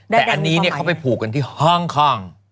แต่อันนี้เนี่ยเขาไปผูกกันที่ฮ่องคอง